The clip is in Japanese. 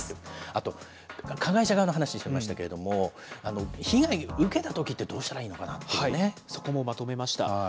あと加害者側の話してましたけれども、被害を受けたときって、どそこもまとめました。